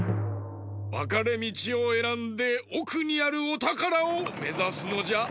わかれみちをえらんでおくにあるおたからをめざすのじゃ。